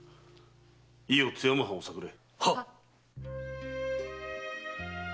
伊予津山藩を探れ。